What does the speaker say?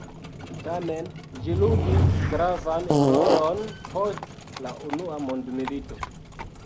Tamen, ĝi ludis gravan rolon post la Unua Mondmilito.